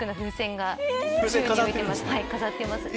飾ってます。